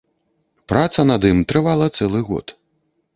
Праца над ім трывала цэлы год.